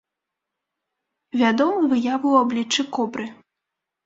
Вядомы выявы ў абліччы кобры.